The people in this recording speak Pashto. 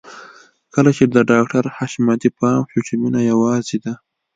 کله چې د ډاکټر حشمتي پام شو چې مينه يوازې ده.